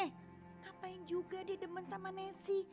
ngapain juga dia demen sama nessy